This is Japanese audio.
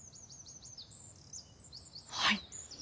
はい。